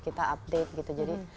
kita update gitu jadi